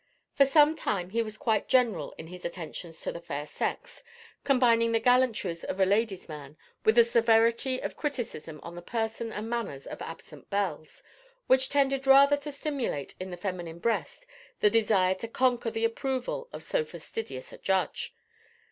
For some time he was quite general in his attentions to the fair sex, combining the gallantries of a lady's man with a severity of criticism on the person and manners of absent belles, which tended rather to stimulate in the feminine breast the desire to conquer the approval of so fastidious a judge.